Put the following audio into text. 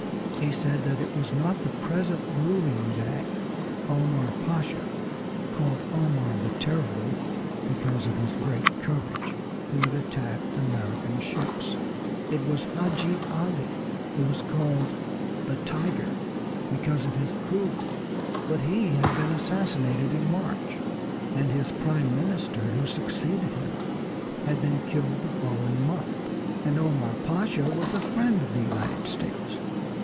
He said that it was not the present ruling Dey, Omar Pasha, called "Omar the Terrible" because of his great courage, who had attacked American ships; it was Hadji Ali, who was called the "Tiger" because of his cruelty, but he had been assassinated in March, and his prime minister, who succeeded him, had been killed the following month, and Omar Pasha was a friend of the United States.